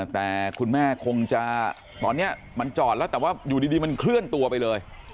แต่คุณแม่คงจะตอนนี้มันจอดแล้วแต่ว่าอยู่ดีมันเคลื่อนตัวไปเลย